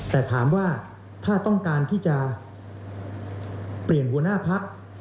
แต่ถามว่าถ้าต้องการที่จะเปลี่ยนหัวหน้าพัก